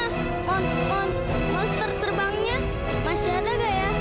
monster monster terbangnya masih ada nggak ya